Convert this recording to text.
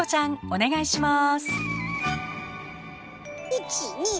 お願いします。